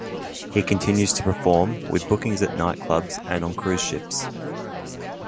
He continues to perform, with bookings at night clubs and on cruise ships.